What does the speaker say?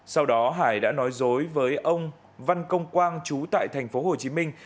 sau đó hải đã nói dối với ông văn công quang chú tại tp hồ chí minh